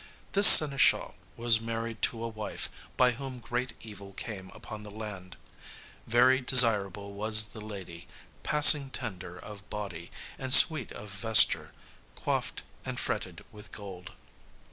This seneschal was married to a wife, by whom great evil came upon the land. Very desirable was the lady; passing tender of body, and sweet of vesture, coiffed and fretted with gold.